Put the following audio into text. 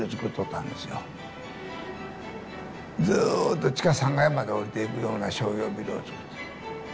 ずっと地下３階まで下りていくような商業ビルを作った。